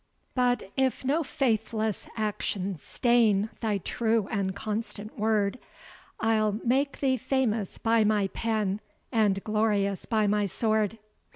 But if no faithless action stain Thy true and constant word, I'll make thee famous by my pen, And glorious by my sword.